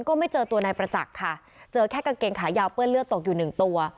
ก็ไม่เจอตัวนายประจักษ์ค่ะเจอแค่กางเกงขายาวเปื้อนเลือดตกอยู่หนึ่งตัว